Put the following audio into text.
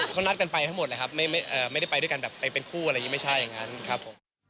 เขานัดกันไปทั้งหมดแหละครับไม่ได้ไปด้วยกันแบบไปเป็นคู่อะไรอย่างนี้ไม่ใช่อย่างนั้นครับผม